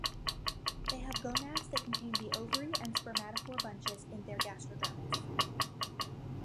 They have gonads that contain the ovary and spermatophore bunches in their gastrodermis.